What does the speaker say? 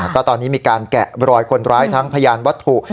ก็ตอนนี้มีการแกะบรอยคนร้ายทั้งพยานวัตถุ